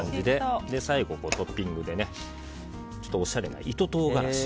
最後、トッピングでおしゃれに糸唐辛子。